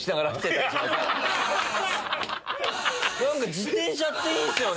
自転車っていいんすよね！